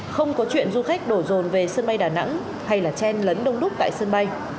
không có chuyện du khách đổ rồn về sân bay đà nẵng hay là chen lấn đông đúc tại sân bay